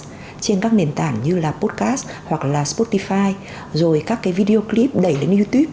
các định dạng nền tảng như là podcast hoặc là spotify rồi các cái video clip đẩy lên youtube